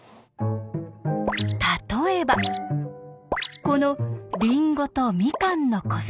例えばこのりんごとみかんの個数。